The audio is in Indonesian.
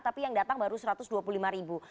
tapi yang datang baru satu ratus dua puluh lima ribu